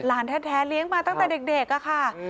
แท้เลี้ยงมาตั้งแต่เด็กค่ะ